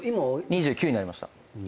２９になりました。